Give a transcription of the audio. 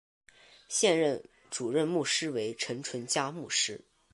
现任主任牧师为陈淳佳牧师。